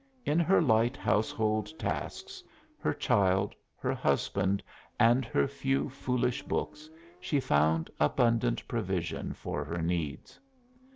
In her light household tasks, her child, her husband and her few foolish books, she found abundant provision for her needs.